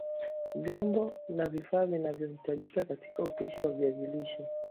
Vyombo na vifaa vinavyohitajika katika upishi wa viazi lishe